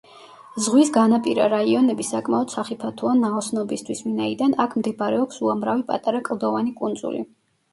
ზღვის განაპირა რაიონები საკმაოდ სახიფათოა ნაოსნობისთვის, ვინაიდან აქ მდებარეობს უამრავი პატარა კლდოვანი კუნძული.